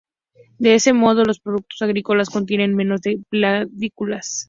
De este modo los productos agrícolas contienen menos de plaguicidas.